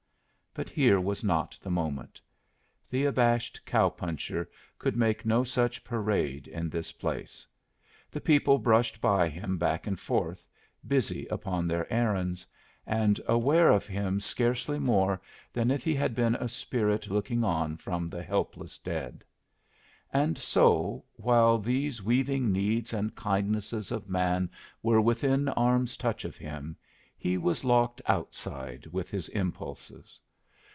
But here was not the moment; the abashed cow puncher could make no such parade in this place. The people brushed by him back and forth, busy upon their errands, and aware of him scarcely more than if he had been a spirit looking on from the helpless dead; and so, while these weaving needs and kindnesses of man were within arm's touch of him, he was locked outside with his impulses.